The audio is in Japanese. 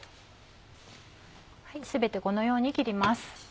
全てこのように切ります。